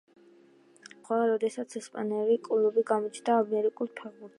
ეს იყო პირველი შემთხვევა, როდესაც ესპანური კლუბი გამოჩნდა ამერიკულ ფეხბურთში.